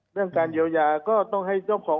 เรื่องการเยาว์ยา